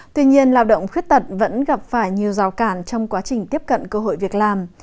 tuy nhiên lao động khuyết tật vẫn gặp phải nhiều rào cản trong quá trình tiếp cận cơ hội việc làm